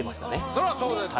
そりゃそうです